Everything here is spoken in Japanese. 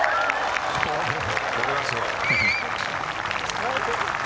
これはすごい。